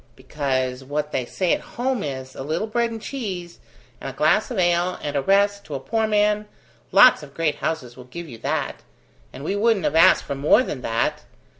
"Because, what they say at home is, a little bread and cheese, and a glass of ale, and a rest, to a poor man lots of great houses will give you that, and we wouldn't have asked for more than that.